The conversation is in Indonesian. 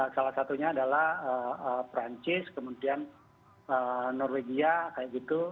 salah satunya adalah perancis kemudian norwegia kayak gitu